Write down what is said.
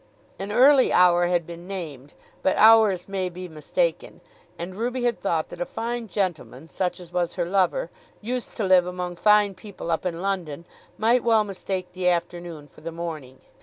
An early hour had been named; but hours may be mistaken, and Ruby had thought that a fine gentleman, such as was her lover, used to live among fine people up in London, might well mistake the afternoon for the morning.